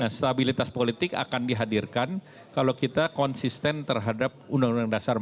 stabilitas politik akan dihadirkan kalau kita konsisten terhadap undang undang dasar empat puluh